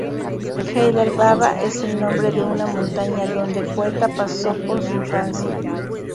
Heydar Baba es el nombre de una montaña donde el poeta pasó su infancia.